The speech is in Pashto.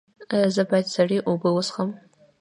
ایا زه باید سړې اوبه وڅښم؟